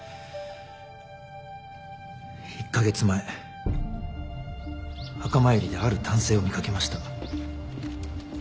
１カ月前墓参りである男性を見掛けました。